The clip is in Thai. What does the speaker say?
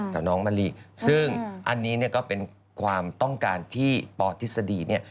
กับน้องมะลิซึ่งอันนี้ก็เป็นความต้องการที่ปอธิษฎีเนี่ย